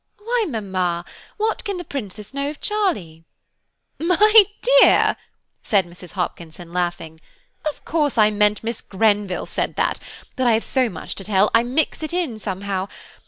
"Why, mamma, what can the Princess know of Charlie?" "My dear," said Mrs. Hopkinson, laughing, "of course I meant Miss Grenville said that, but I have so much to tell, I mix it all somehow.